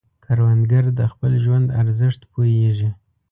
کروندګر د خپل ژوند ارزښت پوهیږي